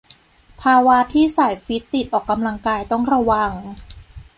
ภาวะที่สายฟิตติดออกกำลังกายต้องระวัง